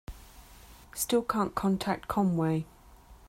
Still can't contact Conway.